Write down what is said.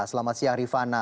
selamat siang rifana